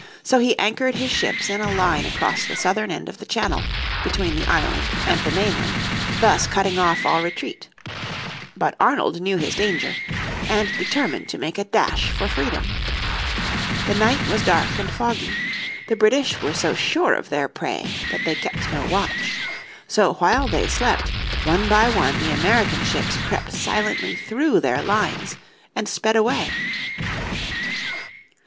So he anchored his ships in a line across the southern end of the channel, between the island and the mainland, thus cutting off all retreat. But Arnold knew his danger, and determined to make a dash for freedom. The night was dark and foggy. The British were so sure of their prey that they kept no watch. So while they slept one by one the American ships crept silently through their lines and sped away.